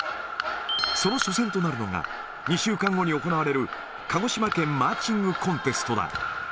その初戦となるのが、２週間後に行われる鹿児島県マーチングコンテストだ。